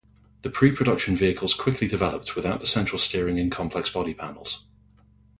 The pre-production vehicles quickly developed, without the central steering and complex body panels.